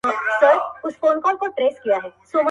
همدې شپې په سهار کي يې ويده کړم.